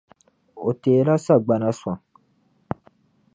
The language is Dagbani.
O teela sagbana sɔŋ.